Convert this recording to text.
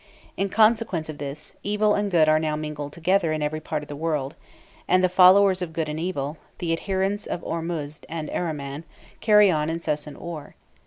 In consequence of this, evil and good are now mingled together in every part of the world, and the followers of good and evil the adherents of Ormuzd and Ahriman carry on incessant war.